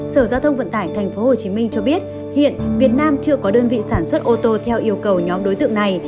sở giao thông vận tải tp hcm cho biết hiện việt nam chưa có đơn vị sản xuất ô tô theo yêu cầu nhóm đối tượng này